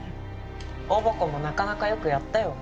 おぼこもなかなかよくやったよ。